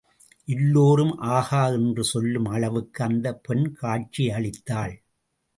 எல்லோரும் ஆகா என்று சொல்லும் அளவுக்கு அந்தப் பெண் காட்சி அளித்தாள்.